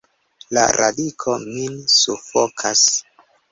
La radiko min sufokas!